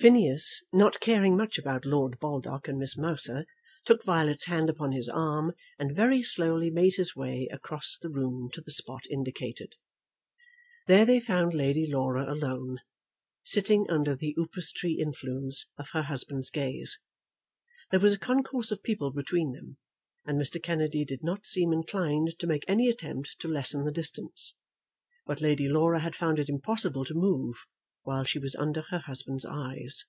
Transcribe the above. Phineas, not caring much about Lord Baldock and Miss Mouser, took Violet's hand upon his arm, and very slowly made his way across the room to the spot indicated. There they found Lady Laura alone, sitting under the upas tree influence of her husband's gaze. There was a concourse of people between them, and Mr. Kennedy did not seem inclined to make any attempt to lessen the distance. But Lady Laura had found it impossible to move while she was under her husband's eyes.